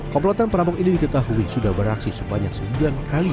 kompletan perabok ini diketahui sudah beraksi sebanyak sembilan kali